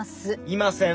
いません！